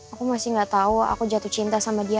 aku masih gak tahu aku jatuh cinta sama dia